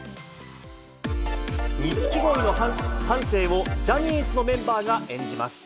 錦鯉の半生をジャニーズのメンバーが演じます。